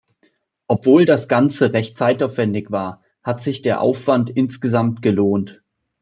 Obwohl das Ganze recht zeitaufwendig war, hat sich der Aufwand insgesamt gelohnt.